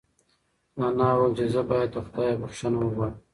انا وویل چې زه باید له خدایه بښنه وغواړم.